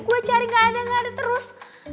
gue cari nggak ada nggak ada terus